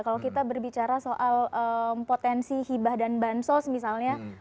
kalau kita berbicara soal potensi hibah dan bansos misalnya